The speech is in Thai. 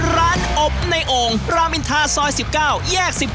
ร้านอบในองค์รามินทาซอย๑๙แยก๑๖